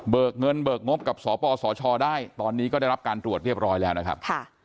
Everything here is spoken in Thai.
เงินเบิกงบกับสปสชได้ตอนนี้ก็ได้รับการตรวจเรียบร้อยแล้วนะครับ